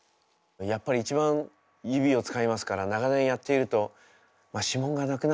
やっぱり一番指を使いますから長年やっていると指紋がなくなっていって。